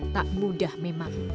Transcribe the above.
tak mudah memang